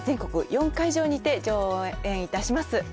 ４会場にて上演いたします。